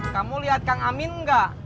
kamu lihat kang amin nggak